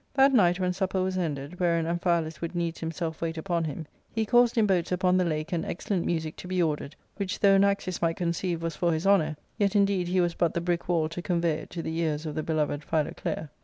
That night, when supper was ended, wherein Amphialus would needs himself wait upon him, he caused in boats upon the lake an excellent music to be ordered, which, though Anaxius might conceive was for his honour, yet, indeed, he was but the brick wall to convey it to the ears of the beloved Philo clea.